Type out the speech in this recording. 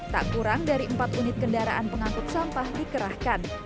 tak kurang dari empat unit kendaraan pengangkut sampah dikerahkan